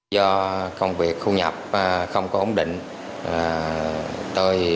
do công việc khu nhập không có ổn định tôi bắt đầu sử dụng ma túy đá từ đầu năm hai nghìn hai mươi hai